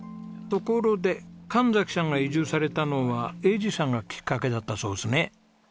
ところで神崎さんが移住されたのは栄治さんがきっかけだったそうですね？